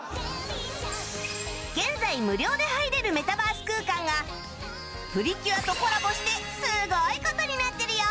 現在無料で入れるメタバース空間が『プリキュア』とコラボしてすごい事になってるよ